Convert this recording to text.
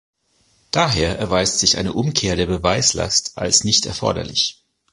Daher erweist sich eine Umkehr der Beweislast als nicht erforderlich.